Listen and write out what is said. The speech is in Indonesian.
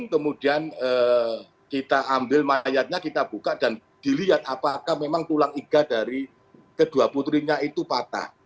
kemudian kita ambil mayatnya kita buka dan dilihat apakah memang tulang iga dari kedua putrinya itu patah